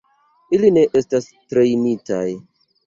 Ili ne estas trejnitaj.